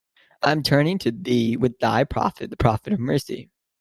I am turning to Thee with Thy Prophet, the Prophet of Mercy.